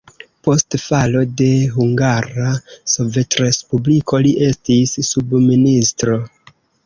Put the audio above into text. Post falo de Hungara Sovetrespubliko li estis subministro.